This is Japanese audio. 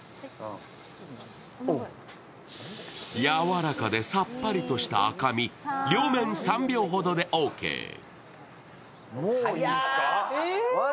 やわらかで、さっぱりとした赤身両面３秒ほどでオーケー。